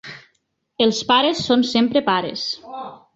Els pares són sempre pares.